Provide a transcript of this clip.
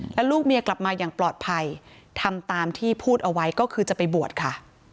แล้วลูกเมียกลับมาอย่างปลอดภัยทำตามที่พูดเอาไว้ก็คือจะไปบวชค่ะ